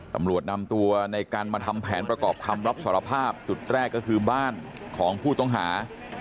ตำรวจนำตัวในกันมาทำแผนประกอบคำรับสารภาพจุดแรกก็คือบ้านของผู้ต้องหา